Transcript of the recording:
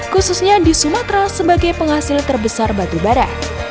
khususnya di sumatera sebagai penghasil terbesar batu bara